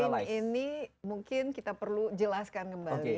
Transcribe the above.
nah blockchain ini mungkin kita perlu jelaskan kembali